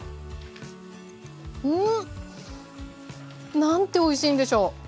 うん！なんておいしいんでしょう！